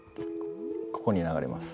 ここに流れます。